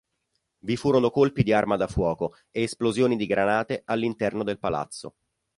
Vi furono colpi di arma da fuoco e esplosioni di granate all'interno del palazzo.